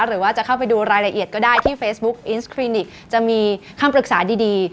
หรือว่าจะเข้าไปดูรายละเอียดก็ได้ที่เฟซบุ๊กอินสคลินิกจะมีคำปรึกษาดี